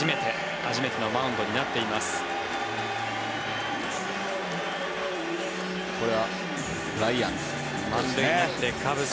初めてのマウンドになっています。